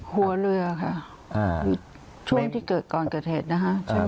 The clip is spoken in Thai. หัวเรือค่ะช่วงที่เกิดก่อนเกิดเหตุนะคะ